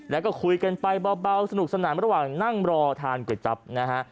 แล้วก็คุยกันไปเบาสนุกสนานระหว่างนั่งรอทานก๋วยจับนะฮะ